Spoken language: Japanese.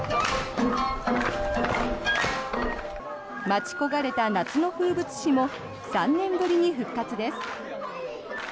待ち焦がれた夏の風物詩も３年ぶりに復活です。